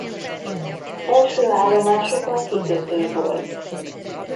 Első állomásuk a kikötő volt.